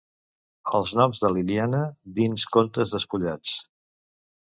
«Els noms de Liliana» dins Contes despullats.